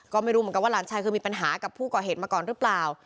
ก็ไม่รู้เหมือนกันว่าหลานชายเคยมีปัญหากับผู้ก่อเหตุมาก่อนหรือเปล่า